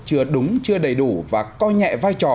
chưa đúng chưa đầy đủ và coi nhẹ vai trò